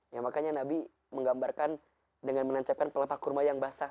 ya makanya nabi menggambarkan dengan menancapkan pelapa kurma yang basah